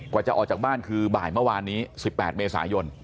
จะออกจากบ้านคือบ่ายเมื่อวานนี้๑๘เมษายน